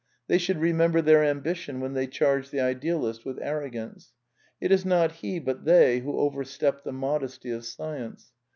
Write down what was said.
They should remember their ambition when they charge the idealist with arrogance. It is not he but they who overstep the modesty of Science.